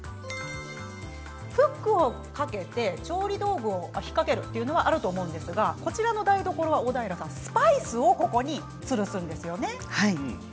フックを掛けて調理道具を引っ掛けるというのはあると思いますが、こちらはスパイスをつるしていますね。